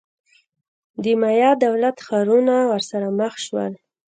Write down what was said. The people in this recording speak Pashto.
د مایا دولت-ښارونه ورسره مخ شول.